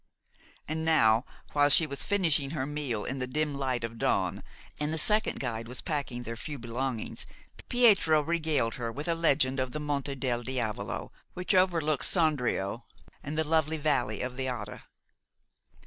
And now, while she was finishing her meal in the dim light of dawn, and the second guide was packing their few belongings, Pietro regaled her with a legend of the Monte del Diavolo, which overlooks Sondrio and the lovely valley of the Adda.